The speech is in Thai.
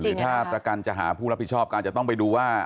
หรือถ้าประกันจะหาผู้รับผิดชอบการจะต้องไปดูว่า